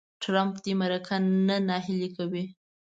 ټرمپ دې مرکه نه نهیلې کوي.